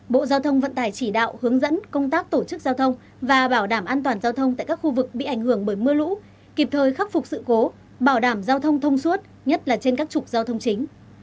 bộ giao thông vận tải chỉ đạo hướng dẫn công tác tổ chức giao thông và bảo đảm an toàn giao thông tại các khu vực bị ảnh hưởng bởi mưa lũ kịp thời khắc phục sự cố bảo đảm giao thông thông suốt nhất là trên các trục giao thông chính